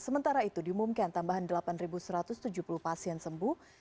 sementara itu diumumkan tambahan delapan satu ratus tujuh puluh pasien sembuh